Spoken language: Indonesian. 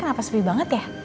kenapa sepi banget ya